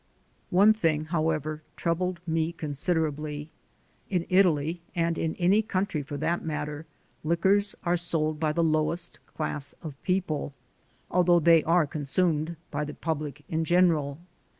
One thing, however, troubled me considerably. In Italy, and in any country for that matter, liquors are sold by the lowest class of people, although they are consumed by the public in general.